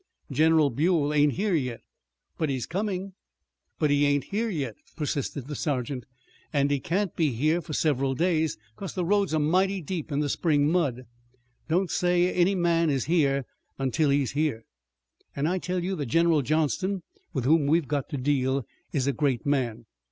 "General Buell ain't here yet." "But he's coming." "But he ain't here yet," persisted the sergeant, "an' he can't be here for several days, 'cause the roads are mighty deep in the spring mud. Don't say any man is here until he is here. An' I tell you that General Johnston, with whom we've got to deal, is a great man.